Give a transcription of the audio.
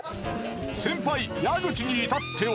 先輩矢口にいたっては。